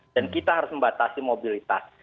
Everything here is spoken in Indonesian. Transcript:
dan kita harus membatasi mobilitas